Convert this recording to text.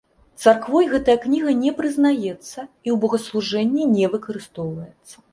Царквой гэтая кніга не прызнаецца і ў богаслужэнні не выкарыстоўваецца.